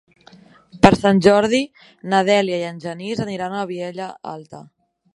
Per Sant Jordi na Dèlia i en Genís aniran a la Vilella Alta.